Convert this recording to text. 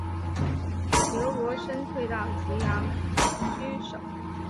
刘伯升退到棘阳据守。